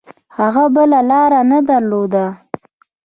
هغه بله لاره نه درلوده.